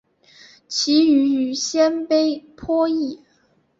其语与鲜卑颇异。